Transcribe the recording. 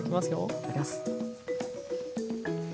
いただきます。